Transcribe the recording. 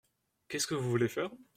Qu’est-ce que vous voulez faire ?